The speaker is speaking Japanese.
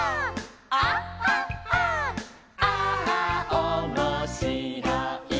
「ああおもしろい」